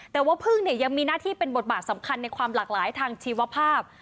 แต่ว่าพึ่งเนี่ยยังมีหน้าที่เป็นบทบาทสำคัญในความหลากหลายทางชีวภาพ